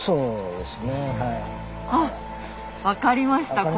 あっ分かりました。